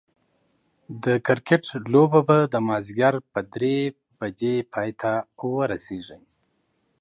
د کرکټ لوبه به دا ماځيګر په دري پايي ته رسيږي